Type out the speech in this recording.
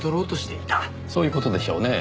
そういう事でしょうねぇ。